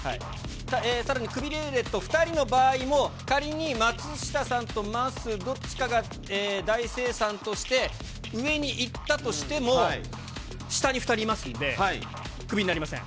さらにクビルーレット２人の場合も、仮に松下さんとまっすー、どっちかが大精算として、上に行ったとしても、下に２人いますんなりません。